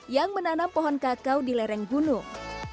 yang menanam pohon kakao di lereng gunung